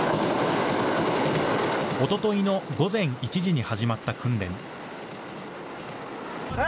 おとといの午前１時に始まった訓練。